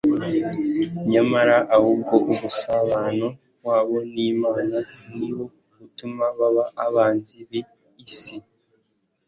Nyamara ahubwo umusabano wabo n'Imana niwo utuma baba abanzi b'isi.